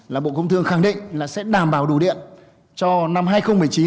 là bộ công thương khẳng định là sẽ đảm bảo đủ điện cho năm hai nghìn một mươi chín